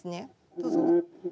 どうぞ。